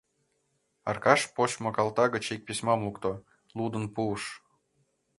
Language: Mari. Аркаш почмо калта гыч ик письмам лукто, лудын пуыш: